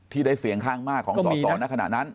ที่ได้เสียงข้างมากของสอสอในขณะนั้น